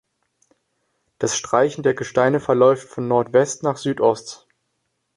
Das Streichen der Gesteine verläuft von Nordwest nach Südost.